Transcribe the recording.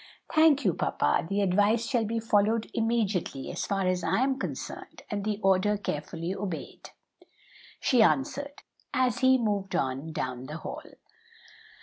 "Thank you, papa; the advice shall be followed immediately so far as I am concerned, and the order carefully obeyed," she answered, as he moved on down the hall.